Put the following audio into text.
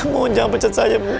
mohon jangan pencet saya bu